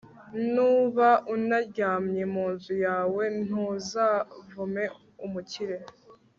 nuba unaryamye mu nzu yawe ntuzavume umukire